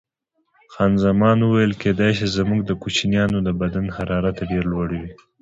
خان زمان وویل: کېدای شي، زموږ د کوچنیانو د بدن حرارت ډېر لوړ وي.